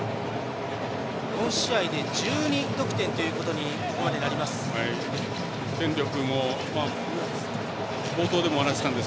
４試合で１２得点ということにここまでなります。